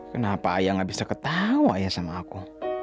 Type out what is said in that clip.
kenapa ayah gak bisa ketawa ya sama aku